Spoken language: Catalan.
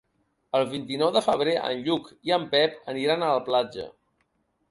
El vint-i-nou de febrer en Lluc i en Pep aniran a la platja.